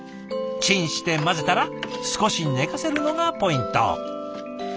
チンして混ぜたら少し寝かせるのがポイント。